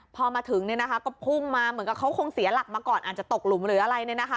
พอมาถึงก็พุ่งมาเหมือนกับเขาคงเสียหลักมาก่อนอาจจะตกหลุมหรืออะไร